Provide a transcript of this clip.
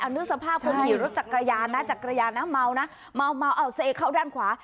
อันนึกสภาพของขี่รถจักรยานนะเมานะเสร็จเข้าด้านขวา